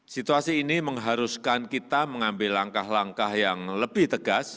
situasi ini mengharuskan kita mengambil langkah langkah yang lebih tegas